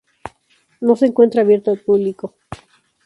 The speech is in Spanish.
No se encuentra abierto al público.